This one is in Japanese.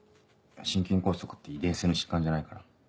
心筋梗塞って遺伝性の疾患じゃないから。